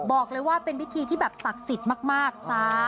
บอกเลยว่าเป็นพิธีที่แบบศักดิ์สิทธิ์มาก